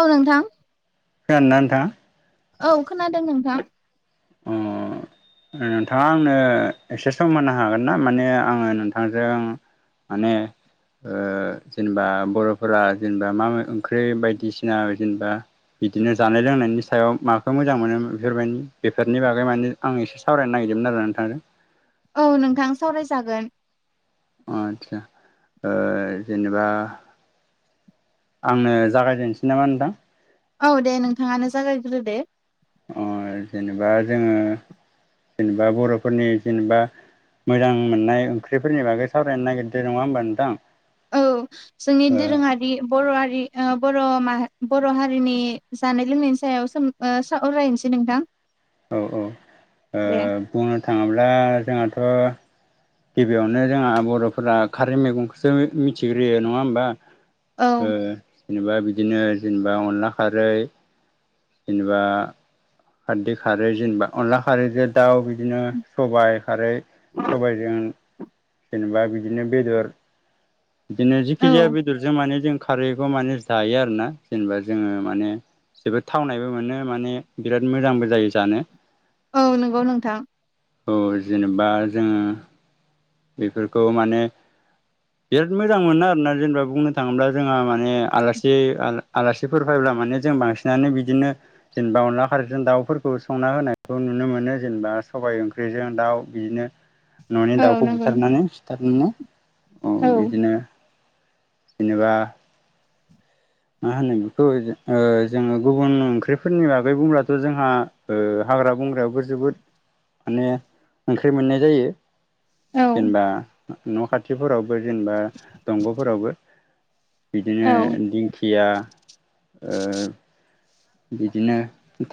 औ नोंथां। [unintelligible] औ खोनादों नोंथां अ। नोंथाङा आंनो एसे सम होनो हागोन ना माने आङो नोंथांजों माने जेनेबा बर'फोरा जेनेबा माा ओंख्रि बायदिसिना जेनेबा बिदिनो जानाय लोंनायनि सायाव माखौ मोजां मोनो बेफोरबायदि बेफोरनि बागै माने आं एसे सावरायनो नागिरदोंमोन आरो नोंथांजों औ नोंथां सावरायजागोन आचचसा जेनेबा आंनो जागायजेनसै नामा नोंथां औ दे नोंथाङानो जागायग्रो दे। ओ जेनेबा जोङो जेनेबा बर'फोरनि जेनेबा मोजां मोननाय ओंख्रिफोरनि बागै सावरायनो नागिरदोंो नङा होमबा नोंथां औ जोंनि दोरोङारि बर'आारि बर' माह बर' हारिनि जानाय लोंनायनि सायाव सों सरायायनोसै नोंथां औ औ दे बुंनो थाङोब्ला जोंहाथ' गिबियावनो जोंहा बर'फोरा खारै मैगंखौसो मिथिग्रोयो नङा होमबा औ जेनेबा बिदिनो जेनेबा अनला खारै जेनेबा खारदै खारो जेनेबा अनला खारोजों दाउ बिदिनो सबाय खारै सबायजों जेनेबा बिदिनो बेदर बिदिनो जिेखि औ जाया बेदरजों माने जों खारैखौ माने जायो आरो ना जेनेबा जोङो माने जोबोद थावनायबो मोनो माने बिराद मोजांबो जायो जानो औ नंगौ नोंथां। औ जेनेबा जोङो बेफोरखौ माने बिराद मोजां मोनो आरोोना जेनेबा बुंनो थाङोब्ला जोंहा माने आला आलासिफोर फैब्ला े जों बांसिनानो बिदिनो जेनेबा अनदला खारजों दाउफोरखौ संना होनायखौ नुनो मोन जेनेबा सबाय ओंख्रिजों दाउ बिदिनो न'नि औ दाउखौ नंगौ नोंथां बुथारनानै सिथारनानै औ बिदिनो जेनेबा मा होनो बेखौ जोङो गुबुन ओंख्रिफोरनि बागै बुंब्लाथ' जोंहा हाग्रा बंग्रायाबो जोबोद माने ओंख्रि मोननाय जायो औ जेनेबा न' खाथिफोरावबो जेनेबा दंग'फोरावबो बिदिनो औ दिंखिया बिदिनो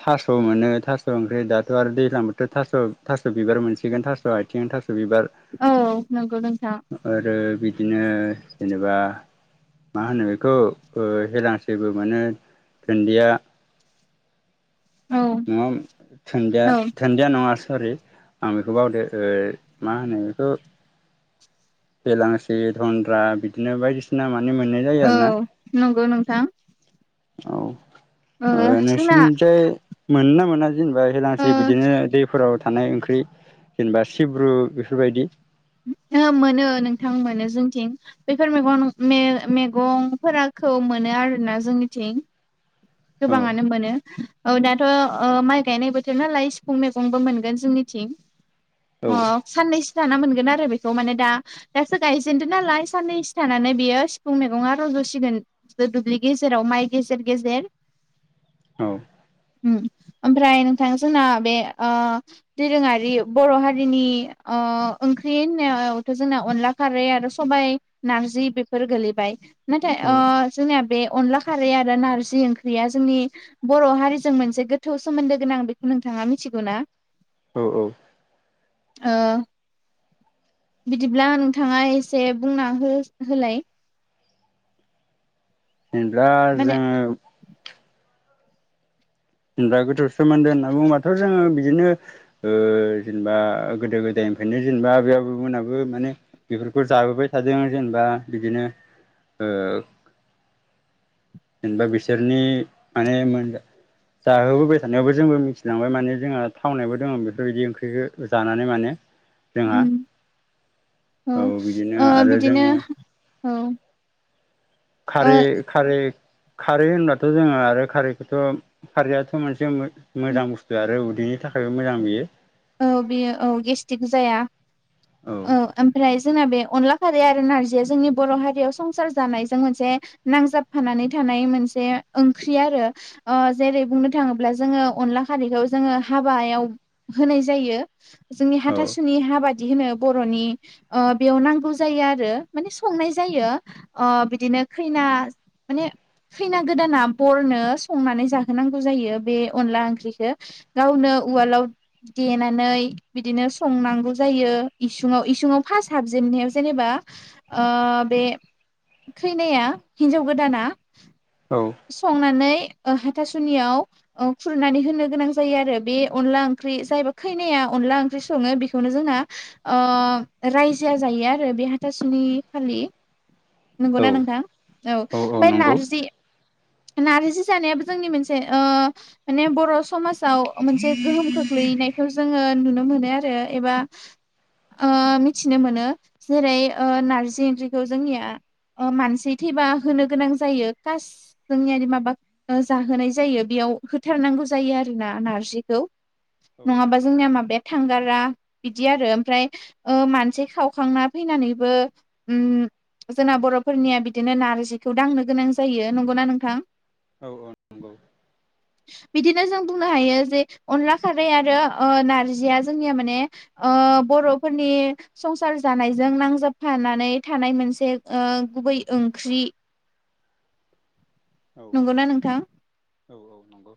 थास' मोनो थास' ओंख्रि दाथ' आरो दैज्लां बोथ' थास' थास' बिबार मोनो मोनसिगोन थासह आथिं थासह बिबार औ नंगौ नोंथां आरो बिदिनो जेनेबा मा होनो बेखौ हेलांसेबो मोनो दुन्दिया औ नङादि औ थन्दिया नङा सरि आं बेखौ बावदो मा होनो बेखौ बेेलांसि दन्द्रा बिदिनो बायदिसिना मान मोननाय जायो औ आरो ना नंगौ नोंथां औ ओ जोंना नोंसिोरनिफ्राय मोन ना मोना जेनेबा हेलांस्रि ओ बिदिनो दैफोराव थानाय ओंख्रि जेनेबा सिब्रु बेफोरबायदि मोनो नोंथां मोनो जोंथिं बेफोर मग मैगंखौ मोनो आरोना जोंनिथिं औ गोबाङानो मोनो औ दाथ' माइ गायनाय बोथोर नालाय सिफुं मैगंबो मोनगोन जोंनिथिं औ अ साननैसो जाना मोनगोन आरो बेखौ माने दा दासो गायजेनदों नालाय साननैसो थानानै बेयो सिफुं मैगं दुसिगोन दुब्लि गेजेराव माइ गेजेर गेजेर औ उम। ओमफ्राय नोंथां जोंना बे ओ दोरोङारि बर' हारिनि ओ ओंख्रि होननायावथ' जोंना अनला खारै आरो सबाय, नारजि बेफोर गोलैबाय नाथाय ओ औ जोंनिया बे अनला खारै आरो नारजि ओंख्रि या जोंनि बर' हारिजों मोनसे गोथौ सोमोन्दो गोनां बेखौ नोंथाङा मिथिगौ ना? औ औ ओ बिदिब्ला नोंथाङा एसे बुंना हो होलाय। दा माने जोङो दा गोथौ सोमोन्दो होनना बुङोबाथ' जोङो बिदिनो ओ जेनेबा गोदो-गोदाय निफ्रायनो जेनेबा आबै-आबौमोनहाबो माने बेफोरखौ जाबोबाय थादों जेनेबा बिदिनो ओ जेनेबा बिसोरनि माने मोन जाहोबोबाय थानायावबो जोंबो मिथिलांबाय माने जोंहा थावनायावबो दङ बेफोरबायदि ओंख्रिखौ जानानै माने जोंहा उम ओ औ बिदिनो ओ आरो बिदिनो जोङो औ ओ खारै-खारै खारै होनबाथ' जोङो आरो खारैखौथ' खारैयाथ' मोनसे मोजां बुस्थु आरो उदै बिनि थाखायबो मोजां बियो। औ बेयो औ गेस्टिक जाया औ ओमफ्राय जोंना बे अनला खारै आरो नारजिया जोंनि बर' हारियाव संसार जानायजों मोनसे नांजाबफानानै थानाय मोनसे ओंख्रि आरो ओ जेरै- बुंनो थाङोब्ला जोङो अनला खारैखौ जोङो हाबायाव होनाय जायो। जोंनि औ हाथासुनि हाबा बि होनो बर'नि ओ बेयाव नांगौ जायो आरो माने संनाय जायो ओ बिदिनो खैना माने खैना गोदाना बरनो संनानै जाहोनांगौ जायो बे अनला ओंख्रिखौ गावनो उवालाव देनानै बिदिनो संनांगौ जायो इसुङाव इसुङाव फास्ट हाबजेननायाव जेनेबा बे खैनाया हिनजाव गोदाना औ संनानै ओ हाथासुनियाव ओ खुरनानै होनो गोनां जायो आरो बे अनला ओंख्रि जायबा खैनाया अनला ओंख्रि सङो बेखौनो जोंना ओ रायजो आ जायो आरो बे हाथासुनि खालि औ नोंगौना नोंथां? औ ओमफ्राय नारजि नारजि जानायाबो जोंनि मोनसे ओ माने बर' समाज आव मोनसे गोहोम खोख्लैैनायखौ जोङो नुनो मोनो आरो एबा ओ मिथिनो मोनो जेरै- ओ नारजि ओंख्रिखौ जोंनिया ओ मानसि थैबा होनो गोनां जायो कास जोंनिया माबा जाहोनाय जायो बेयाव होथारनांगौ जायो आरोना नारजिखौ। औ नङाबा जोंना माबाया थांगारा बिदि आरो ओमफ्राय ओ मानसि खावखांना फैनानैबो उम जोंना बर'फोरनिया बिदिनो नारजिखौ दांनो गोनां जायो। नंगौना नोंथां? औ औ नंगौ। बिदिनो जों बुंनो हायो जे अनला खारै ओ आरो नारजिया जोंनिया माने ओ बर'फोरनि संसार जानायजों नांजाबफानानै थानाय मोनसे ओ गुबै ओंख्रि [inaudible] नंगौना नोंथां? औ औ नंगौ।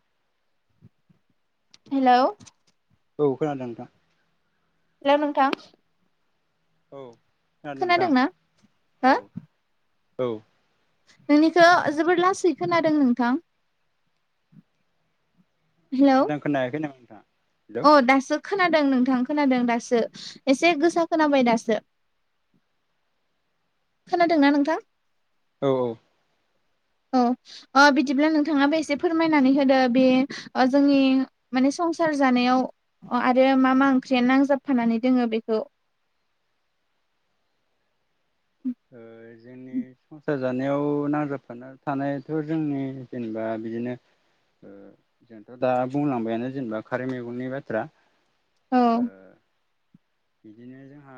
हेलौ औ, खोनादों नोंथां। हेलौ नोंथां औ खोनादों नोंथां खोनादोंना औ हो? औ नोंनिखो जोबोर लासै खोनादों नोंथां। हेलौ मोजां खोनायाखै नों अ दासो खो खोनादों नोंथां खोनादों दासो एसे गोसा खोनाबाय दासो। खोनादोंना नोंथां? औ औ औ ओ बिदिब्ला नोंथाङाबो एसे फोरमायनानै होदो बे ओ जोंनि मानि संसार सार जानायाव आरो मा मा ओंख्रियानो नांजाबफानानै दोङो बेखौ। [inaudible] ओ जोंनि संसार जानायाव नांजाबफानानै थानायाथ' जोंनि जेनोबा बिदिनो ओ जोंथ दा बुंलांबाय आंनो जेनोबा खारै मैगंनि बाथ्रा औ बिदिनो जोंहा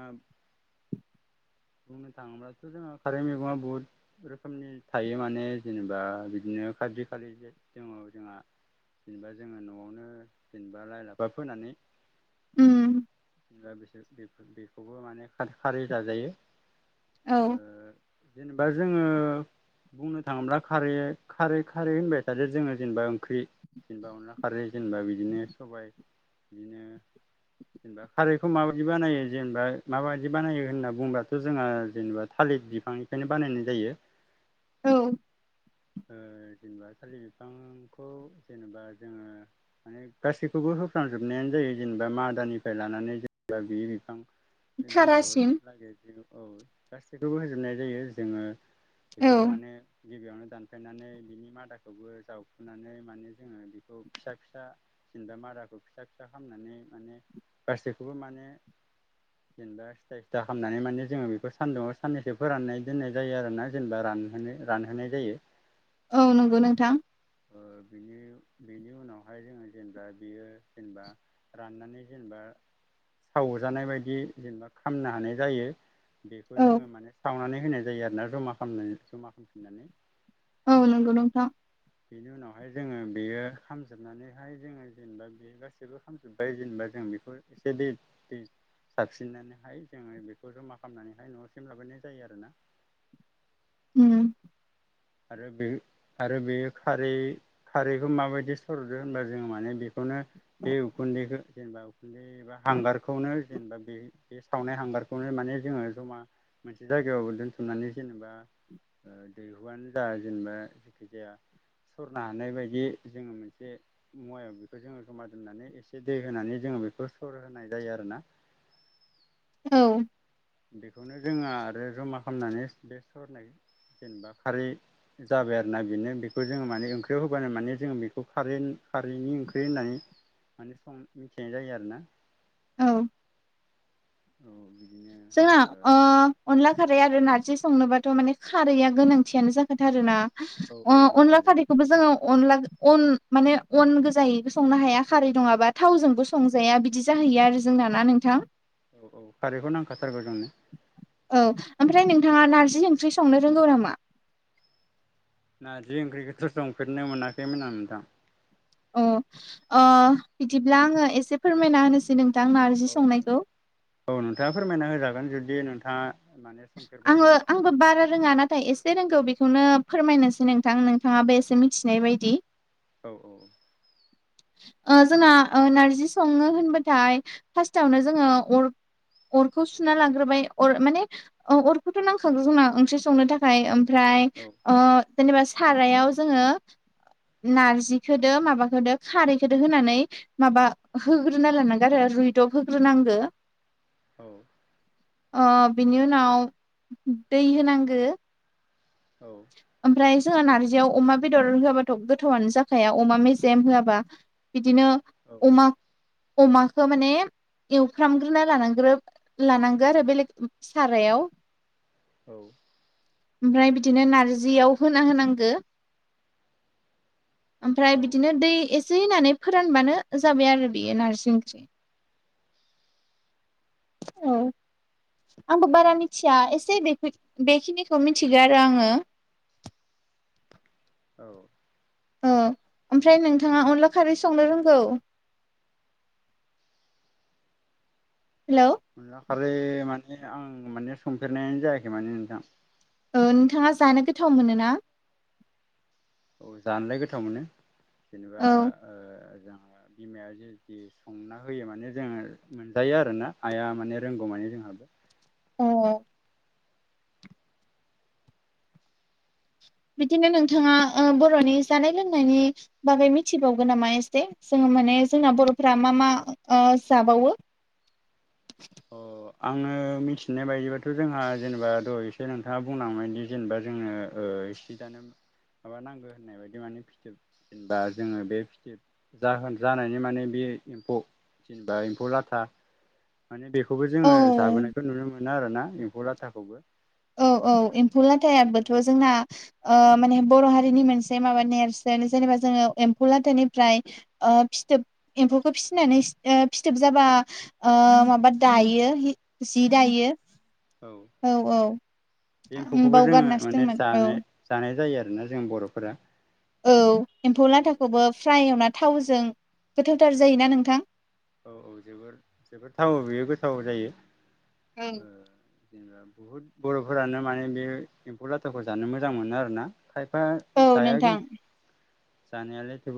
बुंनो थाङोब्लाथ' जोंहा खारै मैगङा बुहुद रोखोमनि थायो माने जेनेबा बिदिनो नो खाथि खालि दङ जोंहा। जेनेबा जोङो न'आवनो जेनेबा लाइ लाफा फोनानै उम दा बिसोर बे बेखौबो मानि खारै जाजायो। ओ औ जेनेबा जोङो बुंनो थाङोब्ला खारै खारै खारै होनबाय थादो जोङो जेनेबा ओंख्रि जेनेबा अनला खारै जेनबा बिदिनो सबाय बिदिनो जेनेबा खारैखौ माबायदि बानायो जेनेबा माबायदि बानायो होनना बुंबाथ' जोंहा जेनेबा थालिर बि बिफांनिफ्रायनो बानायनाय जायो। औ ओ जेनेबा थालिर बिफांखौ जेनेबा जोङो माने गासैखौबो होफ्रांजोबनायानो जायो जेनेबा मादानिफ्राय लानानै जेनेबा बियो बिफां बिजौआव थारासिम लागै औ गासैखौबो होजोबनाय जायो जोङो औ बेखौ माने गिबियावनो दान फायनानै बिनि मादाखौबो जावखुनानै माने जोङो बेखौ फिसा फिसा जेनेबा मादाखौ फिसा फिसा खालामामनानै माने गासैखौबो माने जेनेबा सिथा सिथा खालामनानै माने जोङो बेखौ सानदुंआव साननैसो फोराननाय दोननाय जायो आरोना जेनेबा रान होनो रानहोनाय जायो। औ नंगौ नोंथां। ओ बेनि बेनि उनावहाय जोङो जेनेबा बेयो जेनेबा राननानै जेनेबा सावजानाय बायदि जेनेबा खामनो हानाय जायो। बेखौ औ जोङो माने सावनानै होनाय जायो आरोना जमा खालामना जमा खालामनानै औ नोंगौ नोंथां। बेनि उनावहाय जोङो बेयो खामजोबनानैहाय जोङो जेनेबा बे गासैबो खामजोबबाय जेनेबा जों बेफोर एसे दै दै साबसिननानैहाय जोङो बेखौ जमा खालामनानैहाय न'सिम लाबोनाय जायो आरोना। उम आरो बे आरो बे खारै खारैखौ माबायदि सरदो होनबा जों माने बेखौ नो बे उखुन्दैखौ जेनेबा उखुन्दै एबा हांगारखौनो जेनेबा बे बे सावनाय हांगारखौनो माने जोङो जमा मोनसे जायगायाव दोनथुमनानै जेनेबा दैहुआनो जा जेनेबा जेखि जाया सरनो हानाय बायदि जोङो मोनसे मुवायाव बेखौ जोङो जमा दोननानै एसे दै होनानै जोङो जों बेखौ सर होनाय जायो आरोना औ बेखौनो जोङो आरो जमा खालामनानै बे सरनाय जेनेबा खारै जाबाय आरोना बेनो बेखौ जोङो माने ओंख्रियाव होबानो माने जोङो बेखौ खारै खारैनि ओंख्रि होननानै माने सम मिथिनाय जायो आरोना औ औ बि जोंना अनला खारै आरो [unintelligible] [unintelligible] संनोबाथ' माने खारैआ गोनांथियानो जाखाथारो ना औ औ औ अनला नंगौ खारैखौबो जोङो अनला अन माने अन गोजायै संनो हाया खारै नङाबा थावजोंबो संजाया बिदि [unintelligible] [unintelligible] आरो जोंना ना नोंथां [unintelligible] खारैखौ [unintelligible] जोंनो औ ओमफ्राय नोंथाङा नारजि ओंख्रि संनो रोंगौ नामा नारजि ओंख्रिखौथ' संफेरनो मोनाखैमोन आं नोंथां [unintelligible] अ बिदिब्ला आङो एसे फोरमायना होनोसै नों [unintelligible] औ नोंथाङा फोरमायना होजागोन जुदि नोंथाङा माने आङो संफेरबायबा आंबो बारा रोङा नाथाय एसे रोंगौ बेखौ बेखौनो फोरमायनोसै नोंथां नोंथाङाबो एसे मिथिनाय बायदि - औ औ। जोंना नारजि संनो होनबाथाय फार्स्टावनो जोङो अर अरखौ सुना लाग्रोबाय अर माने अरखौथ' नांखागौ जोंना ओंख्रि संनो थाखाय औ [unintelligible] अ जेनेबा सारायाव जोङो नारजिखौदो माबाखोदो खारैखोदो होनानै माबा होग्रोना लानांगो आरो रुइदब होग्रोनांगो [unintelligible] बिनि उनाव दै होनांगौ औ ओमफ्राय जोङा नारजियाव अमा बेदर होआबाथ' गोथावनो जाखाया अमा मेजेम होआबा बिदिनो [unintelligible] अमाखो माने एवफ्रामग्रोना लानांग्रो लानांगौ आरो बेलेग सारायाव औ ओमफ्राय बिदिनो नारजियाव होना होनांगौ ओमफ्राय औ बिदिनो दै एसे होननानै फोरानबानो जाबाय आरो बेयो नारजि ओंख्रि औ [unintelligible] आंबो बारा मिथिया एसे बेखिनिखौ मिथिगोन राङो [unintelligible] औ ओमफ्राय नोंथाङा अनला खारै संनो रोंगौ [unintelligible] [unintelligible] माने आं माने संफेरनायानो जायाखै माने नोंथां ओ नोंथाङा जानो गोथाव मोनो ना औ जानोलाय गोथाव मोनो जेनेबा औ ओ बिमाया जेदि संना होयो माने जोङो मोनजायो आरोना आइया माने रोंगौ माने जों [unintelligible] अ। बिदिनो नोंथाङा बर'नि जानाय लोंनायनि बागै मिथिबावगोन नामा एसे जोङो। माने जोंना बर'फोरा मा मा ओ जाबावो औ। आङो मिथिनाय बायदिबथ' जोंहा जेनेबा दहाय एसे नोंथाङा बुंलांबायदि जेनेबा जोंओ ओ [unintelligible] माबा नांगो होननाय बायदि माने फिथोब जेनबा जोङो बे फिथोब जोहोन जानायनि माने बे एम्फौ जेनेबा एम्फौ लाथा माने बेखौबो जोङो औ जाबोनायखौ नुनो मोनो आरोना एम्फौ लाथाखौबो। औ औ ओ एम्फौ बेनि लाथायाबोथ' उनावहाय जोंना ओ माने बर' हारिनि मोनसे माबा नेरसोन जेनेबा जोङो एम्फौ लादोनिफ्राय ओ फिथोब एम्फौखौ फिसिनानै फिथोब जाबा ओ माबा दायो जि दायो औ औ। बे आं एम्फौखौबो जोङो बावगारनासो माने दंमोन औ जानाय जानाय जायो आरोना जों बर'फोरा औ एम्फौ औ लाथाखौबो फ्राय एवना थावजों गोथावथार जायोना नोंथां। औ औ जोबोर जोबोर थावङो बेयो गोथाव जायो। औ। ओ जेनेबा बुहुद बर'फोरानो माने बे एम्फौ लाथाखौ जानो मोजां मोनो आरो ना। खायफा जायाखि नोंथां जानायालाय थेव